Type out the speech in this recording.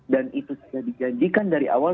itu sudah dijanjikan dari awal